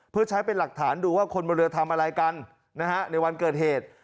เพื่อใช้เป็นหลักฐานดูว่าคนบนเรือทำอะไรกันนะฮะในวันเกิดเหตุ